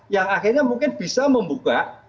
yang akhirnya mungkin bisa membuka